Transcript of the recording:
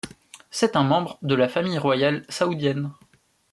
C'est un membre de la famille royale saoudienne.